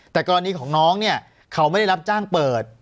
แต่กรณีของน้องเนี่ยเขาไม่ได้รับจ้างเปิด